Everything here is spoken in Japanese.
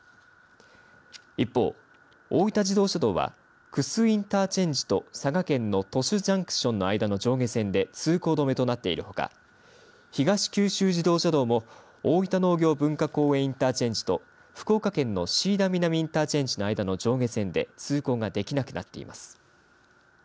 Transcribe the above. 一方、大分自動車道は玖珠インターチェンジと佐賀県の鳥栖ジャンクションの間の上下線で通行止めとなっているほか、東九州自動車道も大分農業文化公園インターチェンジと福岡県の椎田南インターチェンジの間の上下線で通行ができなくなっています。